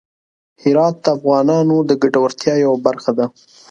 هرات د افغانانو د ګټورتیا یوه برخه ده.